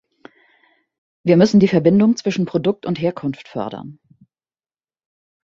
Wir müssen die Verbindung zwischen Produkt und Herkunft fördern.